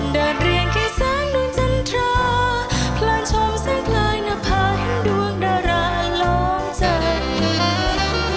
ด่านเรียงแค่แสงหนุนจันทราพลานช่องแสงกลายหน้าพาให้ดวงดาวราล้อมใจ